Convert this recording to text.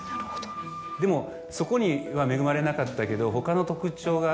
でもそこには恵まれなかったけど。